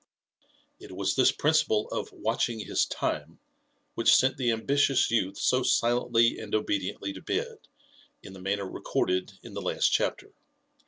It was this principle of watching his time" which sent the am bitious youth so silently and obediently to bed, in the manner recorded in the last chapter.